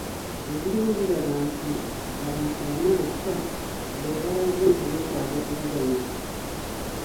Ebiriwo biraga nti abantu bana bokka be balaze nti beetaaga okuvuganya